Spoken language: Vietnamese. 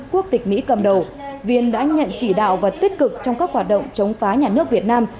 quốc tịch mỹ cầm đầu viên đã nhận chỉ đạo và tích cực trong các hoạt động chống phá nhà nước việt nam